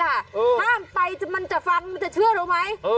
ต่างไปมันจะฟังมันจะเชื้อรู้ไหม